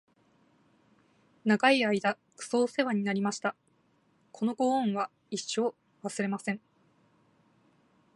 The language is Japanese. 長い間クソおせわになりました！！！このご恩は一生、忘れません！！